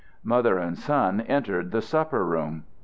Mother and son entered the supper room.